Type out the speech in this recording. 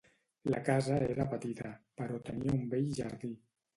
La casa era petita, però tenia un bell jardí.